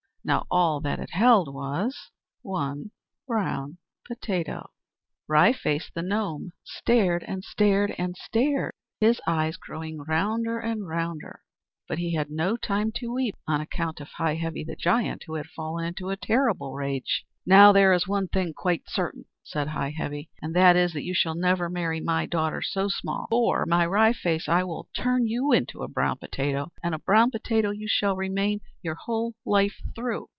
Now all that it held was one brown potato! Wry Face the gnome stared, and stared, and stared, his eyes growing rounder and rounder; but he had no time to weep on account of Heigh Heavy the Giant who had fallen into a rage terrible to see. "Now there is one thing quite certain," said Heigh Heavy, "and that is that you shall never marry my daughter So Small; for, my Wry Face, I will turn you into a brown potato, and a brown potato you shall remain your whole life through!"